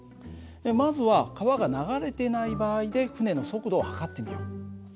まずは川が流れてない場合で船の速度を測ってみよう。